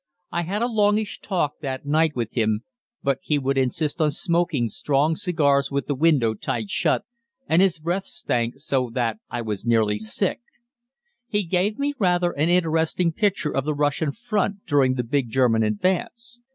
I had a longish talk that night with him, but he would insist on smoking strong cigars with the window tight shut, and his breath stank so that I was nearly sick. He gave me rather an interesting picture of the Russian front during the big German advance.